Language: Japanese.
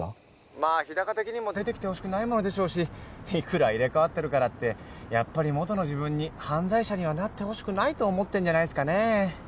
☎まあ日高的にも出てきてほしくないものでしょうしいくら入れ替わってるからってやっぱり元の自分に犯罪者にはなってほしくないと思ってんじゃないすかね